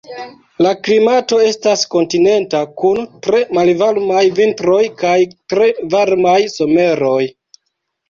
La klimato estas kontinenta kun tre malvarmaj vintroj kaj tre varmaj someroj.